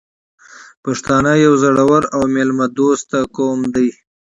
پښتانه یو زړور او میلمه دوست قوم دی .